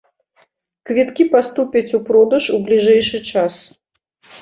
Квіткі паступяць у продаж у бліжэйшы час.